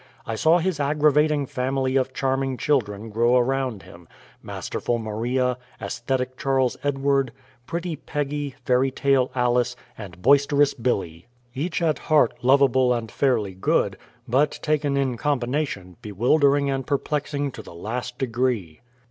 I saw his aggravating family of charming children grow around him masterful Maria, aesthetic Charles Edward, pretty Peggy, fairy tale Alice, and boisterous Billy each at heart lovable and fairly good; but, taken in combination, bewildering and perplexing to the last degree.